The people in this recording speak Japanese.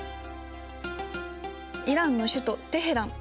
イランの首都テヘラン。